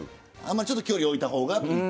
ちょっと距離置いた方がいい。